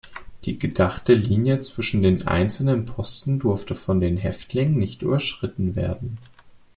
Die gedachte Linie zwischen den einzelnen Posten durfte von den Häftlingen nicht überschritten werden.